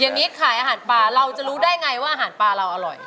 อย่างนี้ขายอาหารปลาเราจะรู้ได้ไงว่าอาหารปลาเราอร่อย